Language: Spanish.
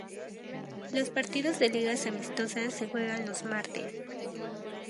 Los partidos de ligas amistosas se juegan los martes.